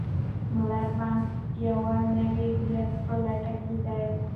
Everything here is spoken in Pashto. ملا بانګ د یو نوي هویت په لټه کې دی.